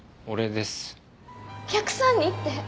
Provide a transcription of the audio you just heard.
お客さんにって。